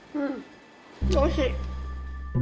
おいしい。